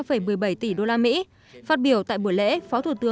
phát biểu tại buổi lễ phó thủ tướng vương đình huệ đã dự và phát biểu